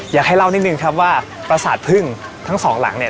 อยากให้เล่านิดนึงครับว่าประสาทพึ่งทั้งสองหลังเนี่ย